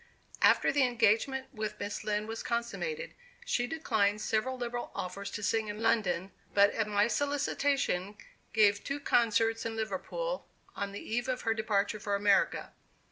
After the engagement with Miss Lind was consummated, she declined several liberal offers to sing in London, but, at my solicitation, gave two concerts in Liverpool, on the eve of her departure for America.